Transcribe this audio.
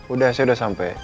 udah saya udah sampe